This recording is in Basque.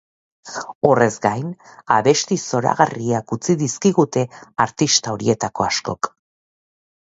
Horrez gain, abesti zoragarriak utzi dizkigute artista horietako askok.